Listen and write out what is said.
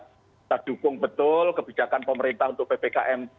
kita dukung betul kebijakan pemerintah untuk ppkm